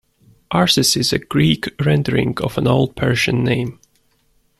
Arses is a Greek rendering of an old Persian name.